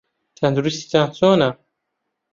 تەندروستیتان چۆنە؟